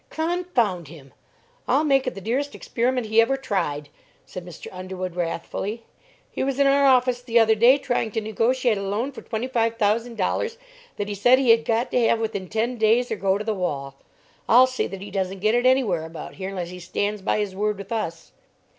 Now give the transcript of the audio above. "Confound him! I'll make it the dearest experiment ever he tried," said Mr. Underwood, wrathfully; "he was in our office the other day trying to negotiate a loan for twenty five thousand dollars that he said he had got to have within ten days or go to the wall. I'll see that he doesn't get it anywhere about here unless he stands by his word with us."